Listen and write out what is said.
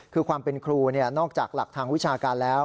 คือความเป็นครูนอกจากหลักทางวิชาการแล้ว